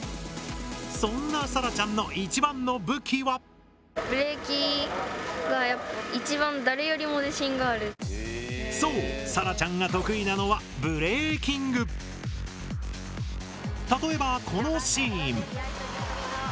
そんなさらちゃんの一番の武器はそうさらちゃんが得意なのは例えばこのシーン。